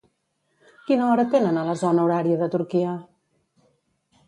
Quina hora tenen a la zona horària de Turquia?